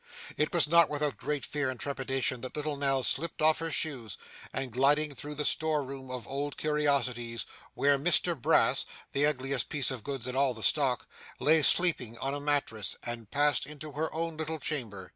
It was not without great fear and trepidation that little Nell slipped off her shoes and gliding through the store room of old curiosities, where Mr Brass the ugliest piece of goods in all the stock lay sleeping on a mattress, passed into her own little chamber.